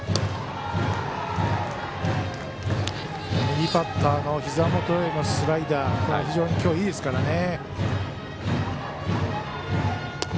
右バッターへのひざ元へのスライダー非常に今日はいいですからね。